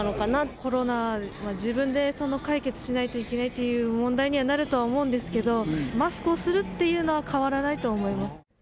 コロナは自分で解決しないといけないという問題にはなると思うんですけど、マスクをするっていうのは変わらないと思います。